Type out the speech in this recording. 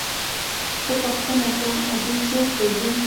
زه پوښتنه کوم ادې چېرته ځي.